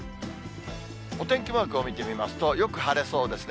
お天気マークを見てみますと、よく晴れそうですね。